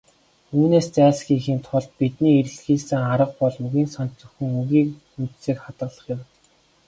Үүнээс зайлсхийхийн тулд бидний эрэлхийлсэн арга бол үгийн санд зөвхөн "үгийн үндсийг хадгалах" юм.